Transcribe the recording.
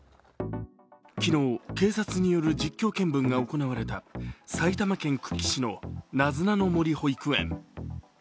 昨日、警察による実況見分が行われた埼玉県久喜市のなずなの森保育園。